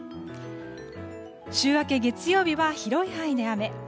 週明け、月曜日は広い範囲で雨。